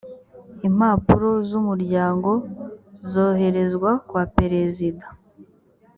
impapuro zumuryango zoherezwa kwa perezida